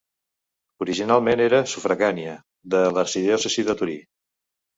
Originalment era sufragània de l'arxidiòcesi de Torí.